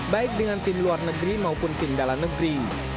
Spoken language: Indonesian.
baik dengan tim luar negeri maupun tim dalam negeri